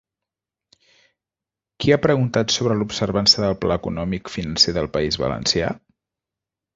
Qui ha preguntat sobre l'observança del Pla Econòmic Financer del País Valencià?